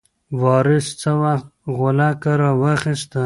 وارث څه وخت غولکه راواخیسته؟